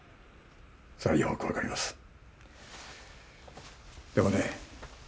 それはよく分かりますでもね